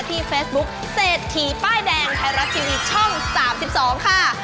เฟซบุ๊คเศรษฐีป้ายแดงไทยรัฐทีวีช่อง๓๒ค่ะ